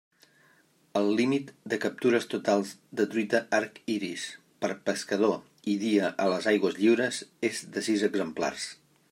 El límit de captures totals de truita arc iris per pescador i dia a les aigües lliures és de sis exemplars.